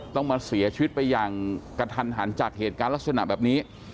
ต้องมาเสียชีวิตไปอย่างกระทันหันจากเหตุการณ์ลักษณะแบบนี้